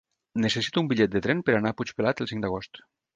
Necessito un bitllet de tren per anar a Puigpelat el cinc d'agost.